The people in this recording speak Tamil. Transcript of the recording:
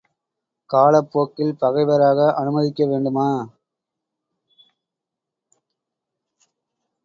காலப்போக்கில் பகைவராக அனுமதிக்க வேண்டுமா?